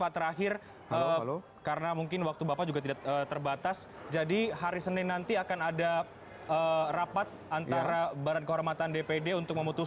terima kasih selamat malam